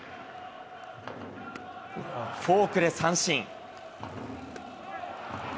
フォークで三振。